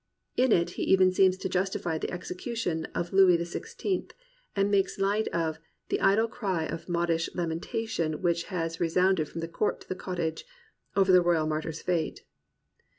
In it he even seems to justify the execution of Louis XVI, and makes light of "the idle cry of modish lamentation which has resounded from the court to the cottage" over the royal martyr's fate.